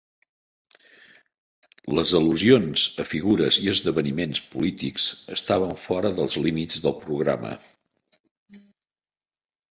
Les al·lusions a figures i esdeveniments polítics estaven fora dels límits del programa.